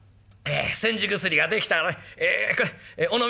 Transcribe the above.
煎じ薬が出来たからねこれおのみ。